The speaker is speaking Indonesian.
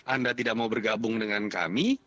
anda tidak mau bergabung dengan kami